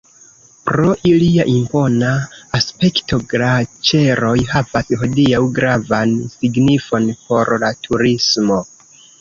Pro ilia impona aspekto glaĉeroj havas hodiaŭ gravan signifon por la turismo.